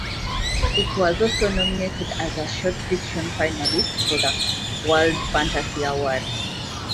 It was also nominated as a short fiction finalist for the World Fantasy Award.